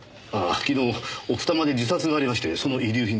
昨日奥多摩で自殺がありましてその遺留品です。